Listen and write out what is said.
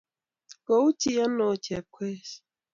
Koi uchi ano oo Chepkoech?